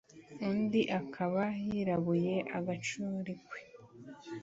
undi akaba yirabuye agacurikwe